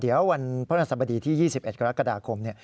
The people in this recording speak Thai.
เดี๋ยววันพระราชสมดีที่๒๑กรกฎาคม